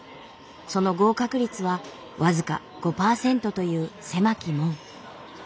その合格率は僅か５％という狭き門。